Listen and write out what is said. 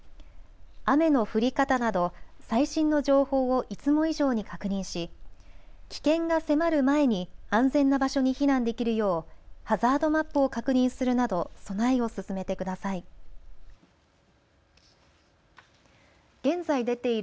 雨の降り方など最新の情報をいつも以上に確認し危険が迫る前に安全な場所に避難できるようハザードマップを確認するなど備えを進めてください。